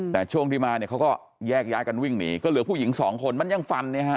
แต่ช่วงที่มาเนี่ยเขาก็แยกย้ายกันวิ่งหนีก็เหลือผู้หญิงสองคนมันยังฟันเนี่ยฮะ